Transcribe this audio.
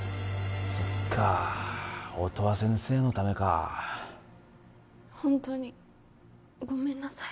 そっか音羽先生のためか本当にごめんなさい